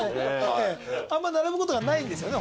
あんま並ぶことがないんですよね